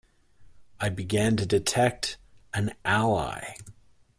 I began to detect an ally.